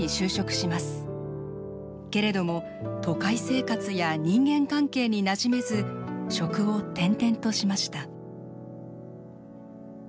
けれども都会生活や人間関係になじめず職を転々としました。